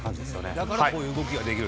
だからこういう動きができる。